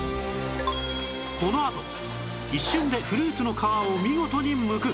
このあと一瞬でフルーツの皮を見事にむく！